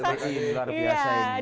terima kasih luar biasa ini